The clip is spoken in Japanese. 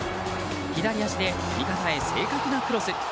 左足で味方へ正確なクロス。